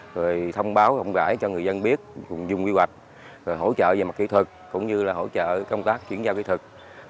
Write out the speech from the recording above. rồi thông báo gọi cho người dân biết dùng quy hoạch hỗ trợ về mặt kỹ thuật cũng như là hỗ trợ công tác chuyển giao kỹ thuật